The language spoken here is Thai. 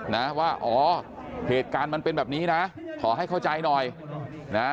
นะว่าอ๋อเหตุการณ์มันเป็นแบบนี้นะขอให้เข้าใจหน่อยนะ